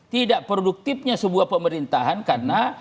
tidak produktifnya sebuah pemerintahan karena